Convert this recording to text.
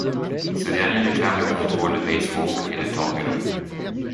Ce dernier réclame le contrôle de Pasewalk et de Torgelow.